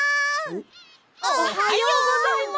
おはよう！おはようございます！